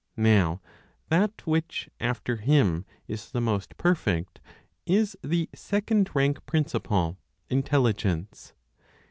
Now that which, after Him, is the most perfect, is the second rank principle, Intelligence.